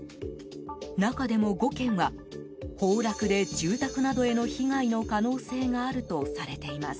中でも５件は崩落で住宅などへの被害の可能性があるとされています。